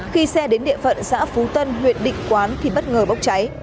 khi xe đến địa phận xã phú tân huyện định quán thì bất ngờ bốc cháy